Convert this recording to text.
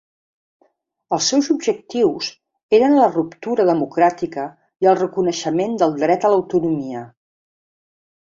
Els seus objectius eren la ruptura democràtica i el reconeixement del dret a l'autonomia.